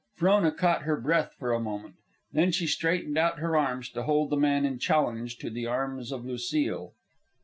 Frona caught her breath for a moment. Then she straightened out her arms to hold the man in challenge to the arms of Lucile.